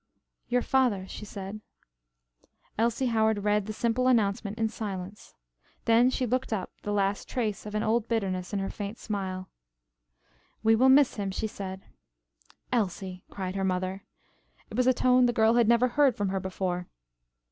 "Your father," she said. Elsie Howard read the simple announcement in silence. Then she looked up, the last trace of an old bitterness in her faint smile. "We will miss him," she said. "Elsie!" cried her mother. It was a tone the girl had never heard from her before.